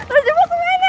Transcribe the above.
raja mau kemana